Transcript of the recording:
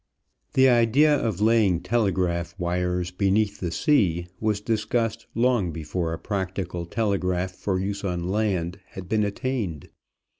The idea of laying telegraph wires beneath the sea was discussed long before a practical telegraph for use on land had been attained.